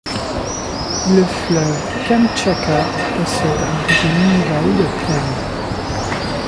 Le fleuve Kamtchatka possède un régime nival de plaine.